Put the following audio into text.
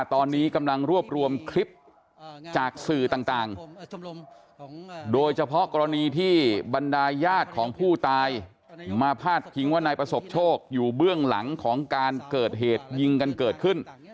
ตอนนี้กำลังรวบรวมคลิปจากสื่อต่างโดยเฉพาะกรณีที่บรรดาญาติของผู้ตายมาพาดพิงว่านายประสบโชคอยู่เบื้องหลังของการเกิดเหตุยิงกันเกิดขึ้น